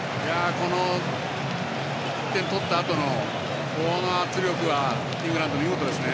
この１点取ったあとのこの圧力はイングランド、見事ですね。